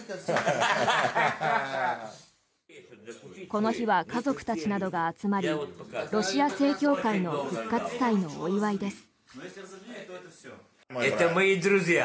この日は家族たちなどが集まりロシア正教会の復活祭のお祝いです。